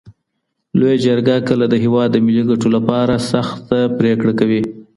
لویه جرګه کله د هیواد د ملي ګټو له پاره سخته پرېکړه کوي؟